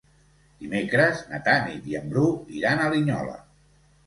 Dimecres na Tanit i en Bru iran a Linyola.